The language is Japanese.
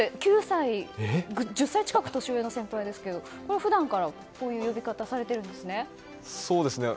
１０歳近く年上の先輩ですが普段からこういう呼び方をされているんですね。